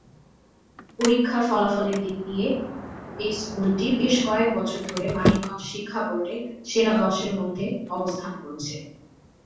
পরীক্ষার ফলাফলের দিক দিয়ে, এই স্কুলটি বেশ কয়েক বছর ধরে মানিকগঞ্জ শিক্ষা বোর্ডে সেরা দশের মধ্যে অবস্থান করছে।